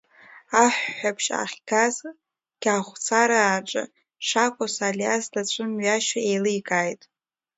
Аҳәҳәабжь ахьгаз Кьаӷәсарааҿы шакәыз Алиас дацәымҩашьо еиликааит.